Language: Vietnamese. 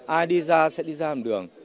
ai đi ra sẽ đi ra một đường